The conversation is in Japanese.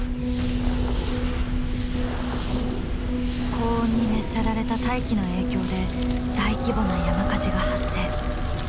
高温に熱せられた大気の影響で大規模な山火事が発生。